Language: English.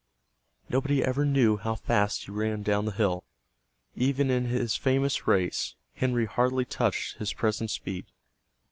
Nobody ever knew how fast he ran down the hill. Even in his famous race, Henry hardly touched his present speed.